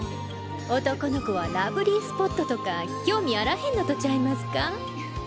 男の子はラブリースポットとか興味あらへんのとちゃいますか？